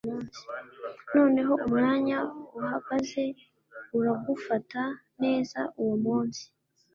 noneho umwanya uhagaze uragufata neza uwo munsi